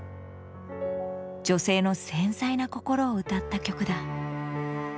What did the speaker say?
女性の繊細な心を歌った曲だ。